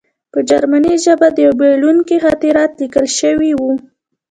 په جرمني ژبه د یوه بایلونکي خاطرات لیکل شوي وو